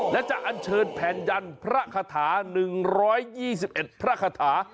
และจะอันเชิญแผ่นยันพระคาถา๑๒๑พระคาถา